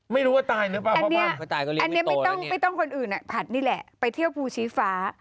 ไม่รู้ว่าตายหรือเปล่าอันนี้ไม่ต้องคนอื่นอ่ะผัดนี่แหละไปเที่ยวภูชีฟ้า